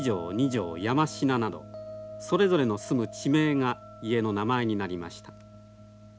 山科などそれぞれの住む地名が家の名前になりました。